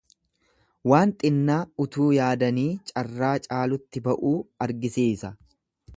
Waan xinnaa utuu yaadanii caarraa caalutti ba'uu argisiisa.